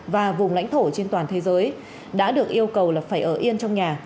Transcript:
và vùng lãnh thổ trên toàn thế giới đã được yêu cầu là phải ở yên trong nhà